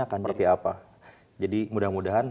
akan seperti apa jadi mudah mudahan